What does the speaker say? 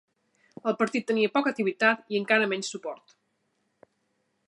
El partit tenia poca activitat i encara menys suport.